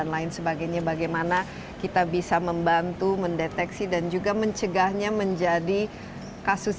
lain sebagainya bagaimana kita bisa membantu mendeteksi dan juga mencegahnya menjadi kasus